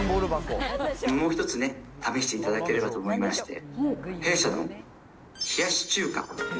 もう１つね、試していただければと思いまして、弊社の冷やし中華。